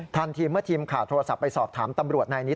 ทันทีเมื่อทีมข่าวโทรศัพท์ไปสอบถามตำรวจนายนี้